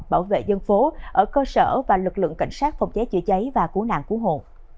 bảo vệ dân phố ở cơ sở và lực lượng cảnh sát phòng cháy chữa cháy và cứu nạn cứu hộ